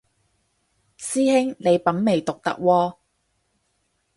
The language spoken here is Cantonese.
師兄你品味獨特喎